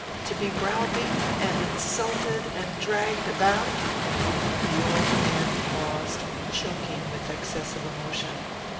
To be browbeaten, and insulted, and dragged about " The old man paused, choking with excess of emotion.